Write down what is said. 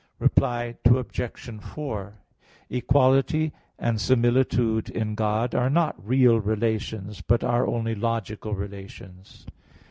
Reply Obj. 4: Equality and similitude in God are not real relations; but are only logical relations (Q.